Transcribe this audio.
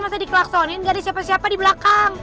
masa diklaksuinin nggak ada siapa siapa di belakang